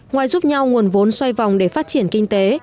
ngoài giúp nhau nguồn vốn xoay vòng để phát triển kinh tế